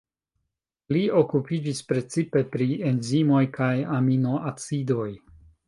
Li okupiĝis precipe pri enzimoj kaj Aminoacidoj.